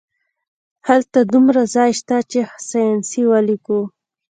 هلته دومره ځای شته چې ساینسي ولیکو